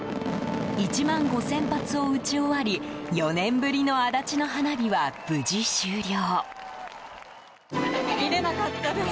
１万５０００発を打ち終わり４年ぶりの足立の花火は無事終了。